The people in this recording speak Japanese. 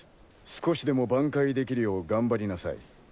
少しでも挽回できるよう頑張りなさい。